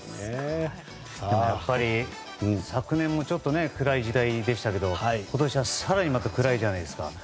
やっぱり昨年もちょっと暗い時代でしたけど今年は更に暗いじゃないですか。